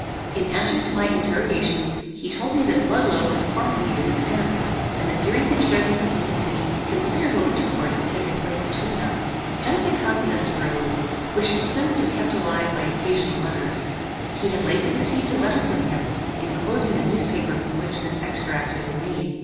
In answer to my interrogations, he told me that Ludloe had formerly been in America, and that during his residence in this city, considerable intercourse had taken place between them. Hence a confidence arose, which has since been kept alive by occasional letters. He had lately received a letter from him, enclosing the newspaper from which this extract had been made.